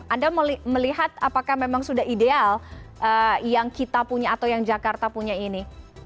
anda melihat apakah memang sudah ideal yang kita punya atau yang jakarta punya ini